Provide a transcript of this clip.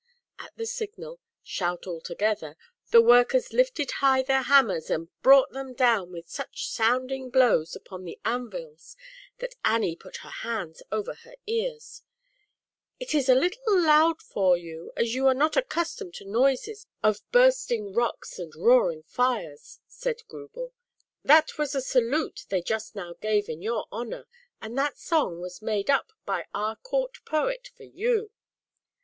At the signal, "Shout all together," the workers lifted high their hammers and brought them down with such sounding blows upon the anvils, that Annie put her hands over her ears "It is a little loud fotlfitu as lrV ~ ILjP^a^ not accustomed you are r | noises or burstin 174 ZAUBERLINDA, THE WISE WITCH. rocks and roaring fires," said Grubel. " That was a salute they just now gave in your honor, and that song was made up by our Court Poet for you."